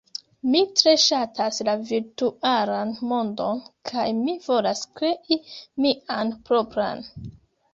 Mi tre ŝatas la virtualan mondon, kaj mi volas krei mian propran.